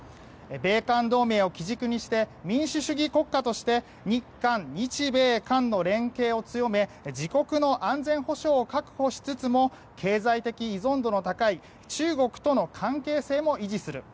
米韓同盟を基軸にして民主主義国家として日韓、日米韓の連携を強め自国の安全保障を確保しつつも経済的依存度の高い中国との関係性も維持する。